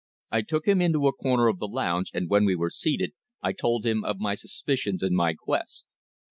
I took him into a corner of the lounge, and when we were seated I told him of my suspicions and my quest.